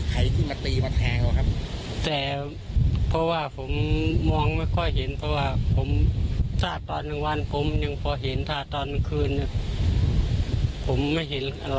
ใครที่มาตีมาแพงเขาครับ